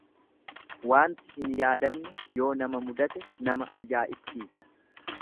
Waanti hin yaadamne yoo nama mudate nama ajaa'ibsiisa.